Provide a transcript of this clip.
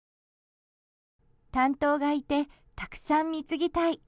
担当がいてたくさん貢ぎたい。